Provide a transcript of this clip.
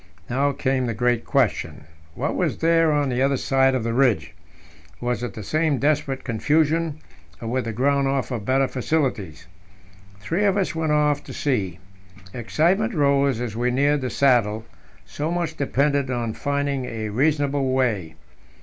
Now came the great question: What was there on the other side of the ridge? Was it the same desperate confusion, or would the ground offer better facilities? Three of us went off to see. Excitement rose as we neared the saddle; so much depended on finding a reasonable way.